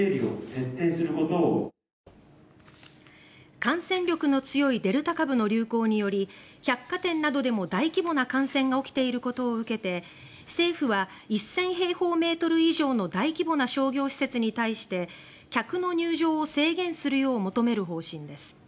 感染力の強いデルタ株の流行により百貨店などでも大規模な感染が起きていることを受けて政府は１０００平方メートル以上の大規模な商業施設に対して客の入場を制限するよう求める方針です。